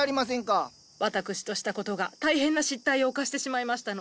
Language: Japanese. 私としたことが大変な失態を犯してしまいましたの。